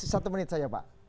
satu menit saja pak